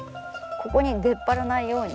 ここに出っ張らないように。